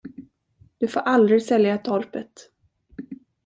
Du får aldrig sälja torpet!